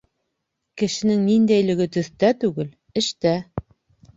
Кешенең ниндәйлеге төҫтә түгел, эштә.